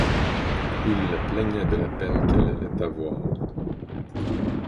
Il la plaignait de la peine qu’elle allait avoir.